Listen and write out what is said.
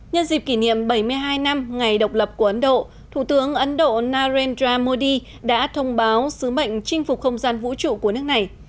nhân dịp kỷ niệm bảy mươi hai năm ngày độc lập của ấn độ thủ tướng ấn độ narendra modi đã thông báo sứ mệnh chinh phục không gian vũ trụ của nước này